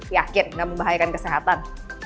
yakin nggak membahayakan kesehatan